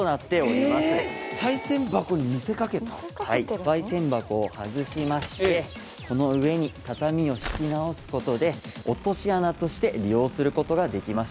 おさい銭箱を外しましてこの上に畳を敷き直すことで落とし穴として利用することができました。